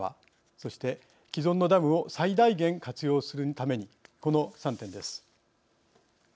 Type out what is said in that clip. そして既存のダムを最大限活用するためにこの３点です。